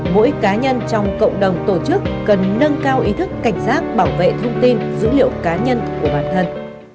mỗi cá nhân trong cộng đồng tổ chức cần nâng cao ý thức cảnh giác bảo vệ thông tin dữ liệu cá nhân của bản thân